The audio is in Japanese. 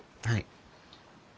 はい。